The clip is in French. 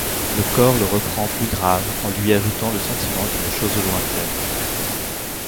Le cor le reprend plus grave en lui ajoutant le sentiment d'une chose lointaine.